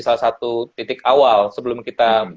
salah satu titik awal sebelum kita